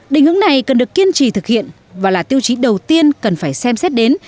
định hướng này cần được kiên trì thực hiện và là tiêu chí đầu tiên cần phải xem xét đến